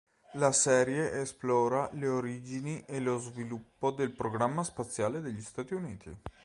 La serie esplora le origini e lo sviluppo del programma spaziale degli Stati Uniti.